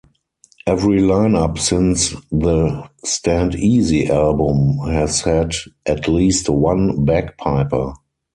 Every line-up since the "Stand Easy" album has had at least one bagpiper.